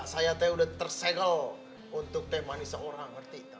saya te udah tersegel untuk temani seorang ngerti